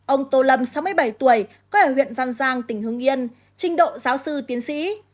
ông tô lâm sáu mươi bảy tuổi quê ở huyện văn giang tỉnh hưng yên trình độ giáo sư tiến sĩ